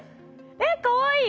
えっかわいい。